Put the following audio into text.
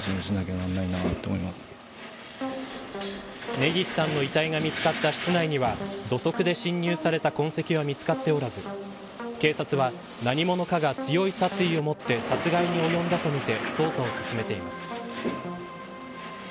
根岸さんの遺体が見つかった室内には土足で侵入された痕跡は見つかっておらず警察は何者かが強い殺意をもって殺害に及んだとみて捜査を進めています。